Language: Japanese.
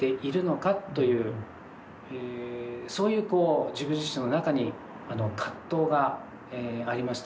そういうこう自分自身の中に葛藤がありました。